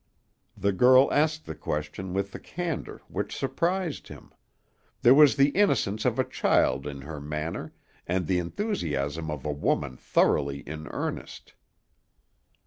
The girl asked the question with a candor which surprised him; there was the innocence of a child in her manner, and the enthusiasm of a woman thoroughly in earnest.